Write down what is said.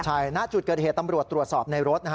ใช่หน้าจุดเกิดเหตุตำรวจตรวจสอบในรถ